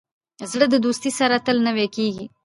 زړه د دوستۍ سره تل نوی کېږي.